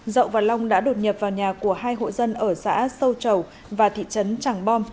dậu và long đã đột nhập vào nhà của hai hộ dân ở xã sâu chầu và thị trấn tràng bom